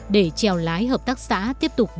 để chèo lái hợp tác xã tiếp tục vươn